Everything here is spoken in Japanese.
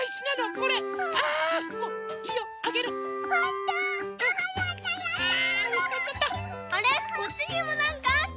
こっちにもなんかあった。